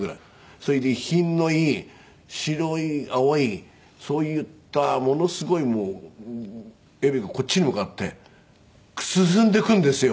それで品のいい白い青いそういったものすごい蛇がこっちに向かって進んでくるんですよ。